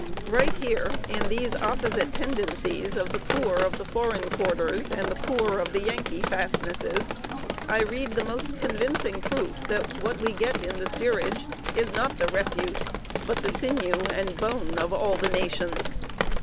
Right here, in these opposite tendencies of the poor of the foreign quarters and the poor of the Yankee fastnesses, I read the most convincing proof that what we get in the steerage is not the refuse, but the sinew and bone of all the nations.